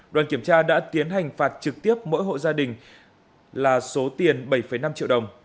đoàn kiểm tra đã tiến hành phạt trực tiếp mỗi hộ gia đình là số tiền bảy năm triệu đồng